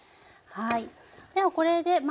はい。